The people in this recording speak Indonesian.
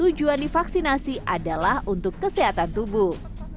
tujuan divaksinasi adalah untuk kesehatan tubuh